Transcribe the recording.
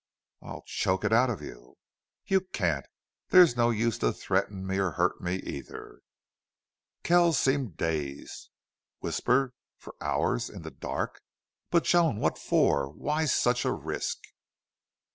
"I'll choke it out of you." "You can't. There's no use to threaten me, or hurt me, either." Kells seemed dazed. "Whisper! For hours! In the dark!... But, Joan, what for? Why such a risk?"